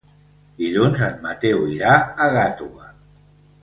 Dilluns en Mateu irà a Gàtova.